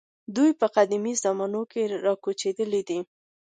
دوی په قدیمو زمانو کې راکوچېدلي دي.